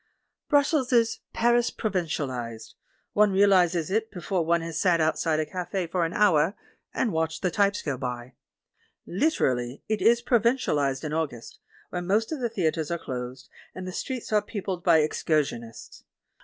Brussels is Paris provincialised ; one realises it before one has sat outside a cafe for an hour and watched the types go by. Liter ally it is provincialised in August, when most of the theatres are closed, and the streets are peo pled by excursionists.